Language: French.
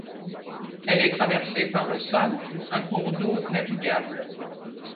Elle est traversée par le San, un cours d’eau navigable.